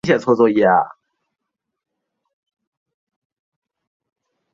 当地居民出行的交通工具多用摩托车。